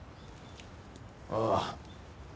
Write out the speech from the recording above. ああ。